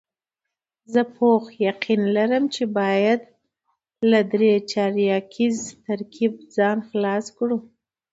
زه پوخ یقین لرم چې باید له درې چارکیز ترکیب ځان خلاص کړو.